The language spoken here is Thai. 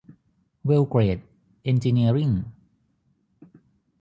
เวล เกรด เอ็นจิเนียริ่ง